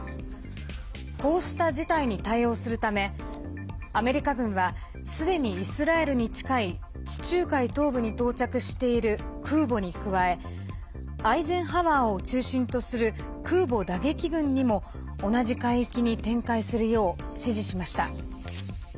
こうした事態に対応するためアメリカ軍はすでにイスラエルに近い地中海東部に到着している空母に加え「アイゼンハワー」を中心とする空母打撃群にも同じ海域に展開するよう指示しました。